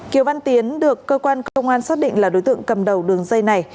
kiều văn tiến được cơ quan công an xác định là đối tượng cầm đầu đường dây này